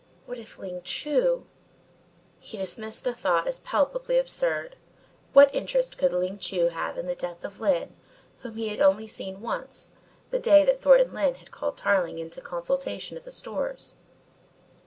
What if Ling Chu ? He dismissed the thought as palpably absurd. What interest could Ling Chu have in the death of Lyne, whom he had only seen once, the day that Thornton Lyne had called Tarling into consultation at the Stores?